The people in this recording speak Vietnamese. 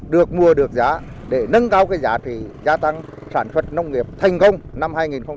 được mua được giá để nâng cao cái giá trị gia tăng sản xuất nông nghiệp thành công năm hai nghìn một mươi tám